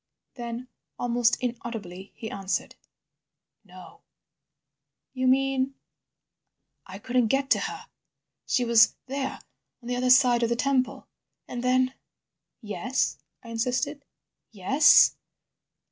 Then, almost inaudibly, he answered, "no." "You mean?" "I couldn't get to her. She was there on the other side of the temple— And then—" "Yes," I insisted. "Yes?"